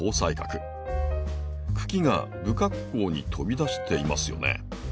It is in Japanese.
茎が不格好に飛び出していますよね？